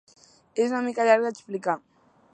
És una mica llarg d'explicar.